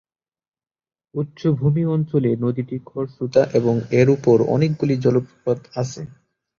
উচ্চভূমি অঞ্চলে নদীটি খরস্রোতা এবং এর উপর অনেকগুলি জলপ্রপাত আছে।